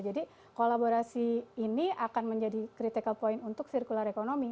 jadi kolaborasi ini akan menjadi critical point untuk circular economy